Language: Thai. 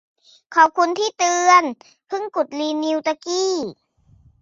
ขอบคุณที่เตือน เพิ่งกดรีนิวตะกี้